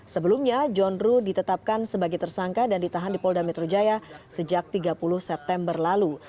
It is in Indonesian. sebelumnya john ruh ditetapkan sebagai tersangka dan ditahan di polda metro jaya sejak tiga puluh september lalu